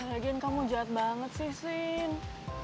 ya gen kamu jahat banget sih cindy